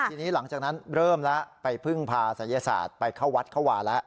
ทีนี้หลังจากนั้นเริ่มแล้วไปพึ่งพาศัยศาสตร์ไปเข้าวัดเข้าวาแล้ว